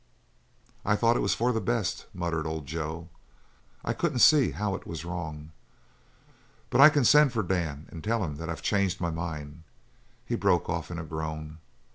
"I thought it was for the best," muttered old Joe. "I couldn't see how it was wrong. But I can send for Dan and tell him that I've changed my mind." He broke off in a groan.